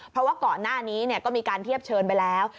เพราะว่าก่อนหน้านี้ก็มีการเทียบเชิญไปแล้ว